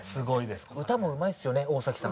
歌もうまいですよね大崎さん。